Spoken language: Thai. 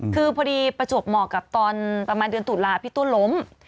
คือพอดีประจวบเหมาะกับตอนประมาณเดือนตุลาพี่ตัวล้ม